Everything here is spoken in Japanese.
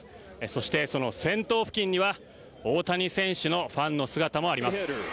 そして、その先頭付近には大谷選手のファンの姿もあります。